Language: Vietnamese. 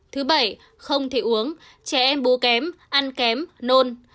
thứ bảy không thể uống trẻ em bố kém ăn kém nôn